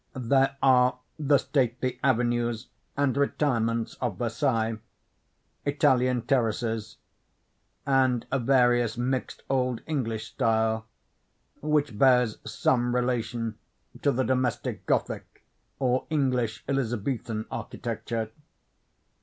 There are the stately avenues and retirements of Versailles; Italian terraces; and a various mixed old English style, which bears some relation to the domestic Gothic or English Elizabethan architecture.